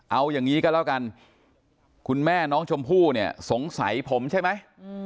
เอาอย่างนี้ก็แล้วกันคุณแม่น้องชมพู่เนี่ยสงสัยผมใช่ไหม